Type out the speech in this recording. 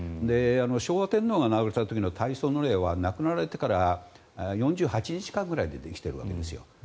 昭和天皇が亡くなられた時の大喪の礼は亡くなられてから４８日間ぐらいでできているわけです。